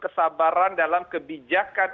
kesabaran dalam kebijakan